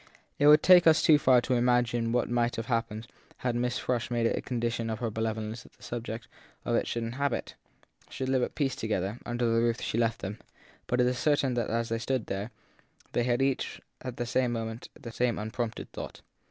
It would take us too far to imagine what might have hap pened had Mrs. Frush made it a condition of her benevolence that the subjects of it should inhabit, should live at peace together, under the roof she left them; but certain it is that as they stood there they had at the same moment the same unprompted thought.